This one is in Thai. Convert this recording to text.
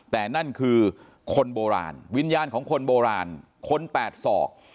แต่นั่นคือคนโบราณวิญญาณของคนโบราณคนแปดศอก